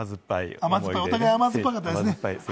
お互い甘酸っぱかったですね。